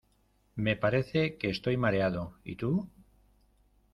Me parece que estoy mareado, ¿y tú?